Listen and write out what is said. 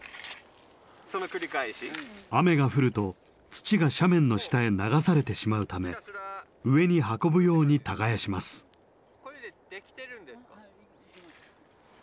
雨が降ると土が斜面の下へ流されてしまうため上に運ぶように耕します。